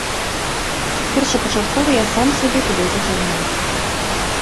Першапачаткова я сам сябе туды зацягнуў.